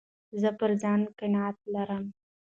زه پر ځان قناعت لرم.